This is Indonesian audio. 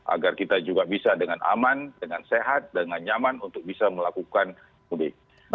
agar kita juga bisa dengan aman dengan sehat dengan nyaman untuk bisa melakukan mudik